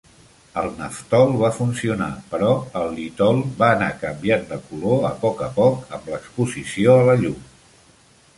El naftol va funcionar, però el litol va anar canviant de color a poc a poc amb l'exposició a la llum.